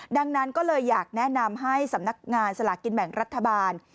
ดังนั้นก็เลยอยากแนะนำให้สำนักงานสลากินแบ่งรัฐบาล